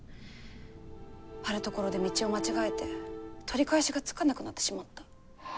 あるところで道を間違えて取り返しがつかなくなってしまった。